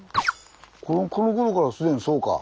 このころから既にそうか？